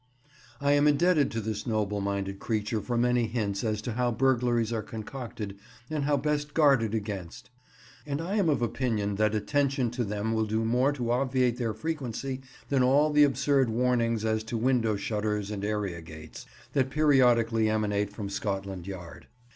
I am indebted to this noble minded creature for many hints as to how burglaries are concocted and how best guarded against, and I am of opinion that attention to them will do more to obviate their frequency than all the absurd warnings as to window shutters and area gates, that periodically emanate from Scotland Yard.